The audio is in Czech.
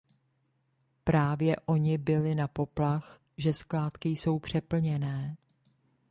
Právě oni bili na poplach, že skládky jsou přeplněné.